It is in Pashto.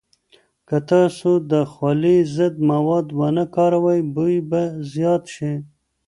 که تاسو د خولې ضد مواد ونه کاروئ، بوی به زیات شي.